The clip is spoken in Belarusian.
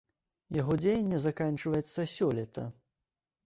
Яго дзеянне заканчваецца сёлета.